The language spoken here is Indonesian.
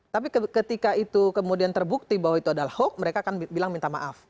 tapi ketika itu kemudian terbukti bahwa itu adalah hoax mereka akan bilang minta maaf